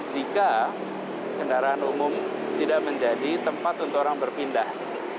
jika kendaraan umum tidak menjadi tempat untuk orang berpindah